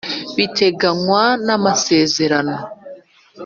biteganywa n Amasezerano.